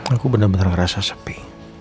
aku benar benar ngerasa sepi